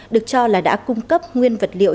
được cho là đã cung cấp nguyên vật liệu